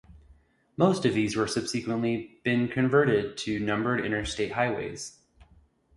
Most of these were subsequently been converted to numbered Interstate highways.